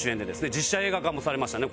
実写映画化もされましたね